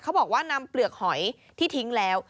บอกว่านำเปลือกหอยที่ทิ้งแล้ว